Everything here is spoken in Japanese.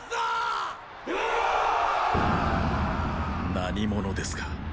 何者ですか